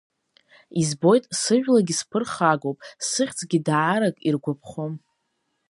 Избоит, сыжәлагьы сԥырхагоуп, сыхьӡгьы даарак иргәаԥхом.